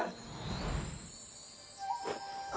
あ！